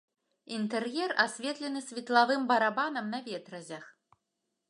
Інтэр'ер асветлены светлавым барабанам на ветразях.